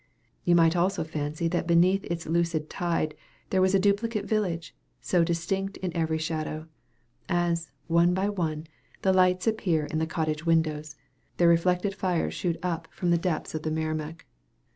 You might also fancy that beneath its lucid tide there was a duplicate village, so distinct is every shadow. As, one by one, the lights appear in the cottage windows, their reflected fires shoot up from the depths of the Merrimac.